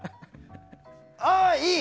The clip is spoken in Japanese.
ああ、いい！